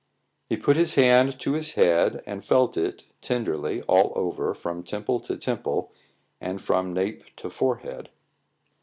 He put his hand to his head, and felt it, tenderly, all over, from temple to temple, and from nape to forehead.